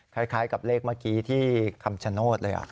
คล้ายกับเลขเมื่อกี้ที่คำชโนธเลย